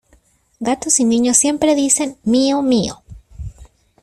Gatos y niños siempre dicen: mío, mío.